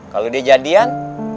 kalo dia jadian